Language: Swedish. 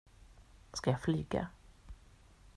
Ska jag flyga?